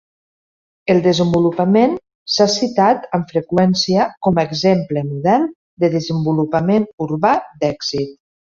El desenvolupament s'ha citat amb freqüència com a exemple model de desenvolupament urbà d'èxit.